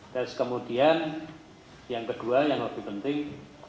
terus kemudian yang kedua yang lebih penting